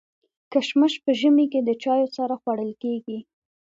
کشمش په ژمي کي د چايو سره خوړل کيږي.